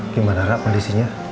gimana harap kondisinya